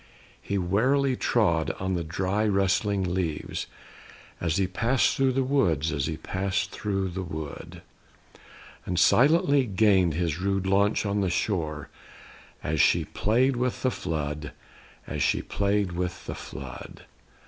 He warily trod on the dry rustling leaves, As he pass'd thro' the wood; as he pass'd thro' the wood; And silently gain'd his rude launch on the shore, As she play'd with the flood; as she play'd with the flood.